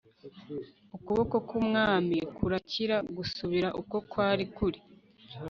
ukuboko kumwami kurakira gusubira uko kwari kuri